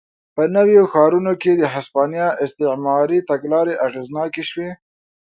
په نویو ښارونو کې د هسپانیا استعماري تګلارې اغېزناکې شوې.